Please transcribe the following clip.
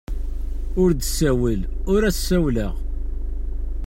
Ur d-tessawel, ur as-ssawleɣ.